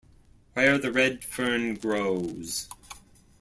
Where the Red Fern Grows...